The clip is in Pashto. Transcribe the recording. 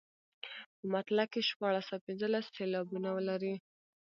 په مطلع کې شپاړس او پنځلس سېلابونه لري.